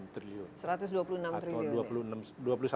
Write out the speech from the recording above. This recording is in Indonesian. satu ratus dua puluh enam triliun ya